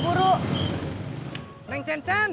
bang mau ngajak gak bang